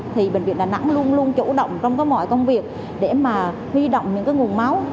thì bệnh viện đà nẵng luôn luôn chủ động trong mọi công việc để huy động những nguồn máu